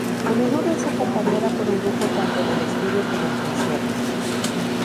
A menudo es acompañada por un grupo tanto en el estudio como en concierto.